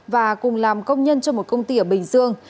và cùng làm công nhân cho một công ty ở bình dương